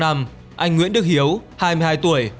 anh nguyễn đức hiếu hai mươi hai tuổi